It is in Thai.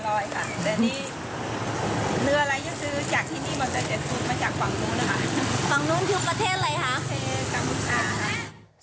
ฝั่งนู้นทุกประเทศเลยค่ะกัมพูชาค่ะ